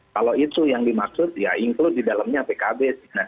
kalau itu yang dimaksud ya include di dalamnya pkb sebenarnya